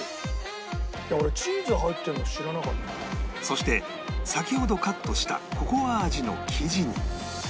そして先ほどカットしたココア味の生地に